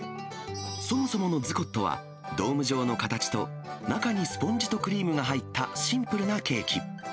そもそものズコットは、ドーム状の形と、中にスポンジとクリームが入ったシンプルなケーキ。